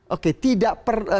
oke tidak per